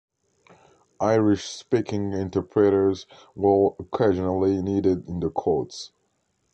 Irish-speaking interpreters were occasionally needed in the courts.